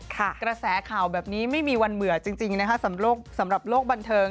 กระแสข่าวแบบนี้ไม่มีวันเบื่อจริงนะคะสำหรับโลกบันเทิง